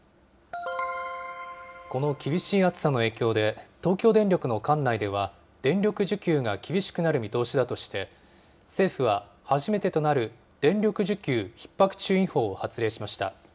この厳しい暑さの影響で、東京電力の管内では、電力需給が厳しくなる見通しだとして、政府は、初めてとなる、電力需給ひっ迫注意報を発令しました。